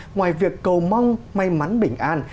ngoài việc cầu mong may mắn bình an